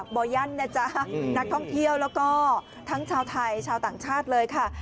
บ่อยั่นนะจ๊ะนักท่องเที่ยวแล้วก็ทั้งชาวไทยชาวต่างชาติเลยค่ะ